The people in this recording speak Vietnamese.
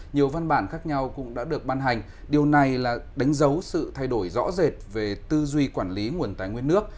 nhiều văn bản khác nhau cũng đã được ban hành điều này là đánh dấu sự thay đổi rõ rệt về tư duy quản lý nguồn tài nguyên nước